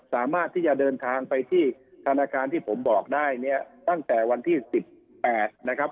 สามารถที่จะเดินทางไปที่ธนาคารที่ผมบอกได้เนี่ยตั้งแต่วันที่สิบแปดนะครับ